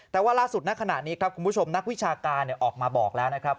แต่ว่าล่าสุดณขณะนี้ครับคุณผู้ชมนักวิชาการออกมาบอกแล้วนะครับ